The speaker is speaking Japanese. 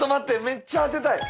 めっちゃ当てたい！